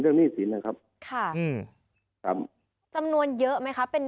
หนี้สินนะครับค่ะอืมครับจำนวนเยอะไหมคะเป็น